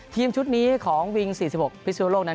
ทีมชุดนี้ของวิง๔๖พิศนุโลกนั้น